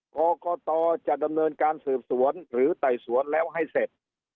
กรกตจะดำเนินการสืบสวนหรือไต่สวนแล้วให้เสร็จ